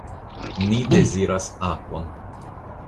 Ni deziras akvon.